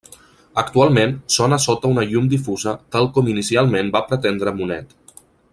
Actualment són a sota una llum difusa tal com inicialment va pretendre Monet.